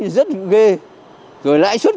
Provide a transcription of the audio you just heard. rất ghê rồi lãi suất